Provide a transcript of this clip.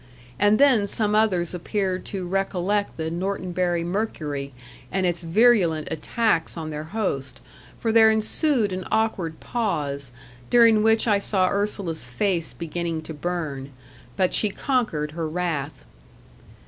And then some others appeared to recollect the Norton Bury Mercury, and its virulent attacks on their host for there ensued an awkward pause, during which I saw Ursula's face beginning to burn. But she conquered her wrath.